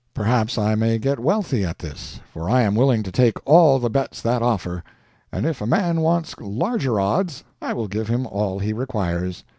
Perhaps I may get wealthy at this, for I am willing to take all the bets that offer; and if a man wants larger odds, I will give him all he requires.